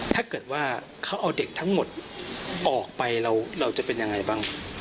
ถ้าเกิดว่าเขาเอาเด็กทั้งหมดออกไปเราจะเป็นยังไงบ้าง